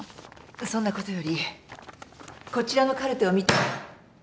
そんなことよりこちらのカルテを見て。